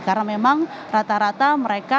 karena memang rata rata mereka